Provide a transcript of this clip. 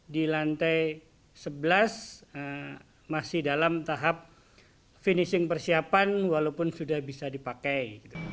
di lantai sebelas masih dalam tahap finishing persiapan walaupun sudah bisa dipakai